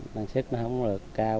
năng suất nó không được cao